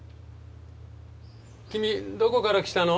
君どこから来たの？